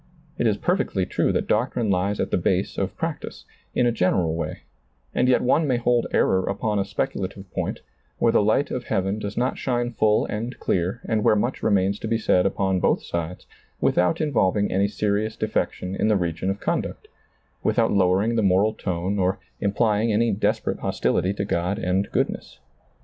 It is perfectly true that doctrine ties at the base of practice, in a general way, and yet one may hold error upon a speculative point, where the light of heaven does not shine full and clear and where much remains to be said upon both sides, without in volving any serious defection in the region of conduct, without lowering the moral tone, or implying any desperate hostility to God and good ness.